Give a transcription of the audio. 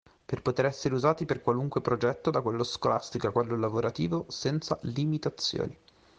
Per poter essere usati per qualunque progetto da quello scolastico a quello lavorativo senza limitazioni.